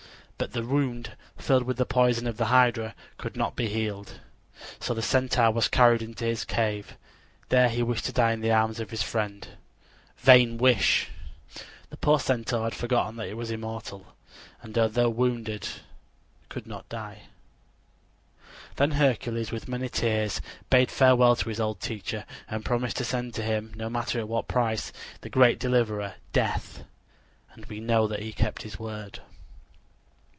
But the wound, filled with the poison of the hydra, could not be healed; so the centaur was carried into his cave. There he wished to die in the arms of his friend. Vain wish! The poor Centaur had forgotten that he was immortal, and though wounded would not die. Then Hercules with many tears bade farewell to his old teacher and promised to send to him, no matter at what price, the great deliverer, Death. And we know that he kept his word.